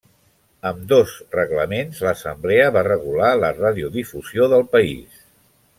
Amb dos reglaments l'Assemblea va regular la radiodifusió del país.